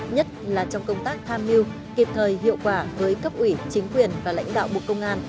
nhất là trong công tác tham mưu kịp thời hiệu quả với cấp ủy chính quyền và lãnh đạo bộ công an